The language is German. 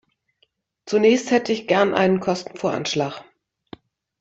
Zunächst hätte ich gerne einen Kostenvoranschlag.